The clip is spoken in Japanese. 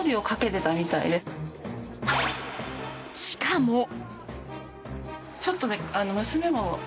しかも。